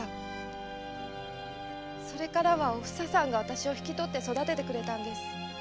それからはおふささんがあたしを引き取って育ててくれたんです。